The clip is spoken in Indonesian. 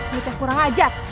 baca kurang ajar